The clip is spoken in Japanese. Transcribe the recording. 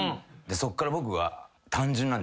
そっから僕は。